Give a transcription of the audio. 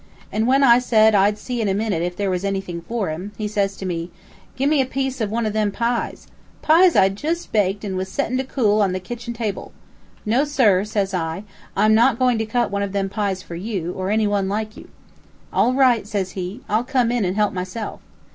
And when I said I'd see in a minute if there was anything for him, he says to me, 'Gim me a piece of one of them pies,' pies I'd just baked and was settin' to cool on the kitchen table! 'No, sir,' says I, 'I'm not goin' to cut one of them pies for you, or any one like you.' 'All right!' says he. 'I'll come in and help myself.'